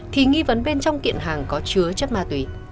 thì nghi vấn bên trong kiện hàng có chứa chất ma túy